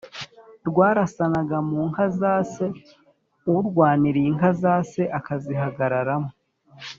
Rwarasanaga mu nka za se: urwaniriye inka za se akazihagararamo